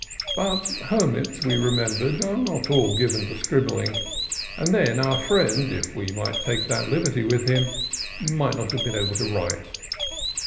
But her mits, we remembered, are not all given to scribbling; and then, our friend (if we might take that liberty with him) might not have been able to write.